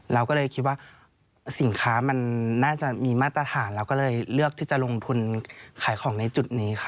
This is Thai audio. เราก็เลยคิดว่าสินค้ามันน่าจะมีมาตรฐานเราก็เลยเลือกที่จะลงทุนขายของในจุดนี้ค่ะ